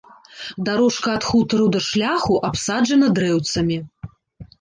Дарожка ад хутару да шляху абсаджана дрэўцамі.